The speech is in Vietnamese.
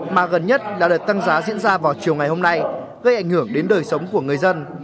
mà gần nhất là đợt tăng giá diễn ra vào chiều ngày hôm nay gây ảnh hưởng đến đời sống của người dân